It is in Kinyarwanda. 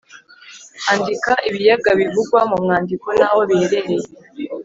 andika ibiyaga bivugwa mu mwandiko n’aho biherereye.